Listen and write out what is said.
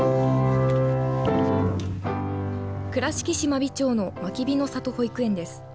倉敷市真備町のまきびの里保育園です。